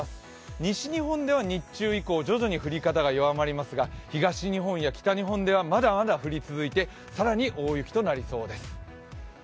西日本では日中以降徐々に降り方が弱まりますが東日本や北日本ではまだまだ降り続いて、更に大雪となりそうです。